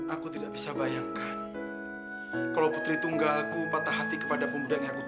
aku tidak bisa bayangkan kalau putri tunggalku patah hati kepada pemuda yang aku